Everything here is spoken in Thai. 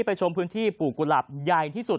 ชมพื้นที่ปลูกกุหลาบใหญ่ที่สุด